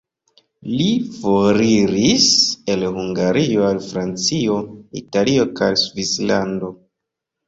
Li foriris el Hungario al Francio, Italio kaj Svislando.